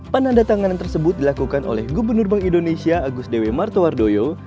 penanda tanganan tersebut dilakukan oleh gubernur bank indonesia agus dewi martowardoyo